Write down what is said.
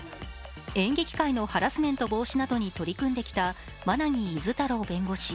演劇界のハラスメント防止などに取り組んできた馬奈木厳太郎弁護士。